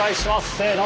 せの！